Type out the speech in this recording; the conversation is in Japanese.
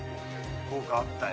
効果あったよ